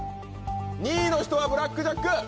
２位の人はブラックジャック。